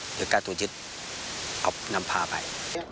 หรือการตรวจยึดเอานำพาไป